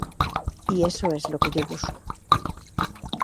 Y eso es lo que yo busco".